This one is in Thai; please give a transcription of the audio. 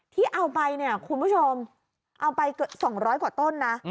ที่เอาไปเนี่ยคุณผู้ชมเอาไป๒๐๐กว่าต้นนะ